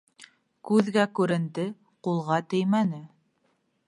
Күҙгә күренде, ҡулға теймәне.